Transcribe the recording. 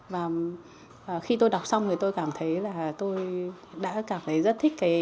và khi tôi đọc xong thì tôi cảm thấy là tôi đã cảm thấy rất thích cái